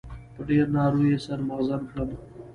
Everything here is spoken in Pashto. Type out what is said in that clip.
په ډېرو نارو يې سر مغزن کړم.